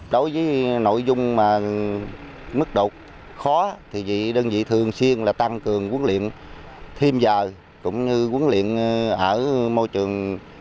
đối với nội dung mức độ khó thì đơn vị thường xuyên tăng cường huấn luyện thêm dài cũng như huấn luyện ở môi trường